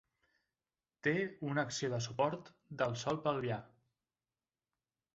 Té una acció de suport del sòl pelvià.